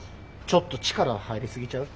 ちょっと力入りすぎちゃう？